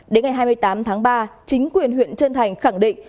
đến ngày hai mươi tám tháng ba chính quyền huyện trân thành khẳng định